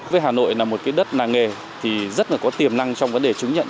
với hà nội là một cái đất làng nghề thì rất là có tiềm năng trong vấn đề chứng nhận